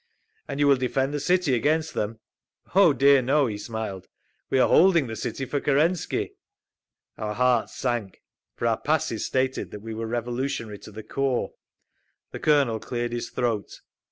"And you will defend the city against them?" "Oh dear no." He smiled. "We are holding the city for Kerensky." Our hearts sank, for our passes stated that we were revolutionary to the core. The Colonel cleared his throat.